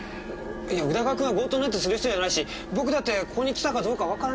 宇田川君は強盗なんてする人じゃないし僕だってここに来たかどうかわからないじゃないですか。